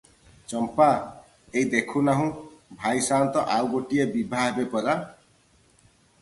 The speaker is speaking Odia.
ଚମ୍ପା - ଏଇ ଦେଖୁନାହୁଁ, ଭାଇ ସାନ୍ତ ଆଉ ଗୋଟିଏ ବିଭା ହେବେ ପରା!